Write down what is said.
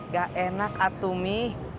gak enak atu mi